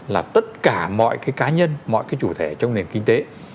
là tất cả mọi cái cá nhân mọi cái chủ thể trong nền kinh tế